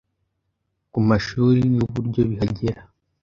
ku mashuri n’uburyo bihagera.